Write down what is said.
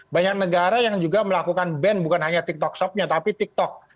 banyak negara yang juga melakukan ban bukan hanya tiktok shopnya tapi tiktok